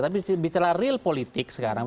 tapi bicara real politik sekarang